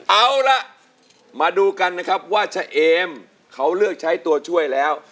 เอาล่ะมาดูกันนะครับว่าชะเอมเขาเลือกใช้ตัวช่วยแล้ว